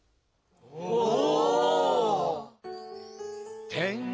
お！